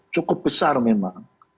cukup besar memang